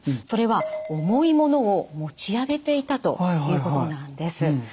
それは重い物を持ち上げていたということなんです。